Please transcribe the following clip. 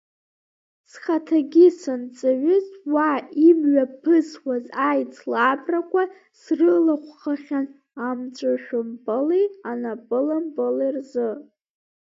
Схаҭагьы санҵаҩыз уа имҩаԥысуаз аицлабрақәа срылахәхахьан амҵәышәмпыли анапылампыли рзы.